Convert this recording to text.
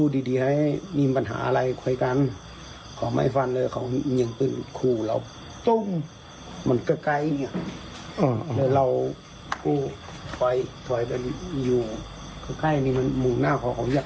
เดี๋ยวเราก็ถอยไปอยู่ใกล้นี่มันมุมหน้าของอย่าง